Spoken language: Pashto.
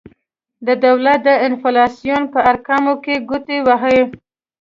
د دولت د انفلاسیون په ارقامو کې ګوتې وهلي.